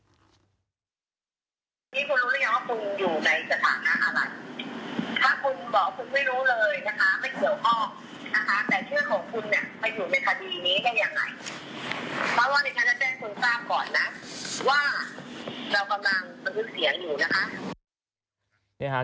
สาวลำปางที่คุยกับ